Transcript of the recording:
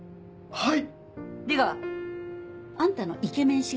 はい！